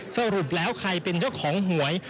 สรุปแล้วใครเป็นเจ้าของหวย